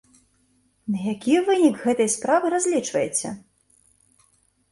На які вынік гэтай справы разлічваеце?